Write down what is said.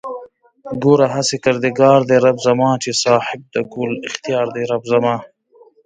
گوره هسې کردگار دئ رب زما چې صاحب د کُل اختيار دئ رب زما